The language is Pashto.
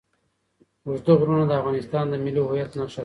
اوږده غرونه د افغانستان د ملي هویت نښه ده.